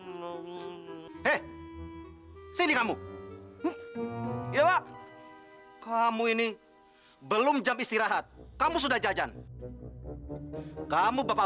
hai eh sini kamu ya pak kamu ini belum jam istirahat kamu sudah jajan kamu bapak